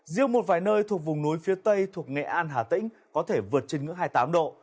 riêng một vài nơi thuộc vùng núi phía tây thuộc nghệ an hà tĩnh có thể vượt trên ngưỡng hai mươi tám độ